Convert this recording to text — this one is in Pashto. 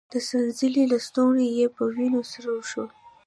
د څنځلې لستوڼی يې په وينو سور شو.